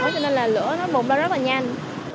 cho nên là lửa nó bùng ra rất là nhanh